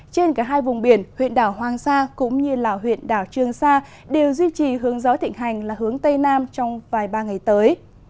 trên cả hai vùng biển huyện đảo hoàng sa cũng như huyện đảo trương sa đều duy trì hướng gió thịnh hành là hướng tây nam trong vài ba ngày tới